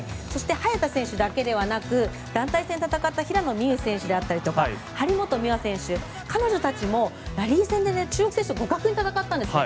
そして早田選手だけではなく団体戦を戦った平野美宇選手であったりとか張本美和選手や彼女たちもラリー戦で中国勢と互角に戦ったんです。